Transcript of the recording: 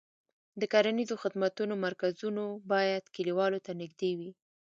د کرنیزو خدمتونو مرکزونه باید کليوالو ته نږدې وي.